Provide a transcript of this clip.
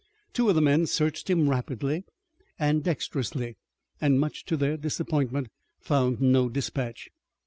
Two of the men searched him rapidly and dexterously, and much to their disappointment found no dispatch.